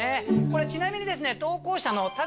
ちなみにですね。